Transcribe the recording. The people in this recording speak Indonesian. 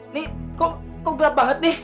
ini kok gelap banget nih